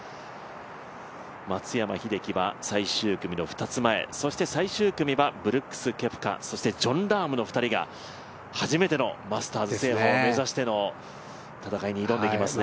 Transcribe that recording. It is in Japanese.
松山英樹は最終組の２つ前、そして最終組はブルックス・ケプカそしてジョン・ラームの２人が初めてのマスターズ制覇を目指しての戦いに挑んでいきますね。